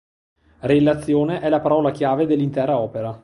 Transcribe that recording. Relazione è la parola chiave dell'intera opera.